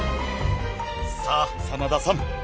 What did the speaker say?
さあ真田さん